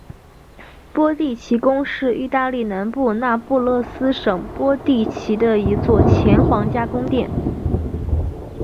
波蒂奇宫是意大利南部那不勒斯省波蒂奇的一座前皇家宫殿。